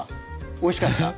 おいしかった？